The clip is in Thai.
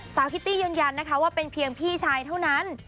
คิตตี้ยืนยันนะคะว่าเป็นเพียงพี่ชายเท่านั้น